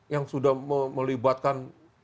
yang sudah melibatkan